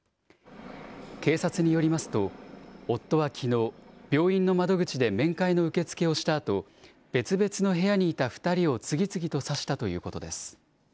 警察によりますと、夫はきのう、病院の窓口で面会の受け付けをしたあと、別々の部屋にいた２人を次々と刺したということです。